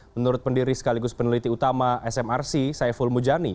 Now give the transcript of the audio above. menurut pendiri sekaligus peneliti utama smrc saiful mujani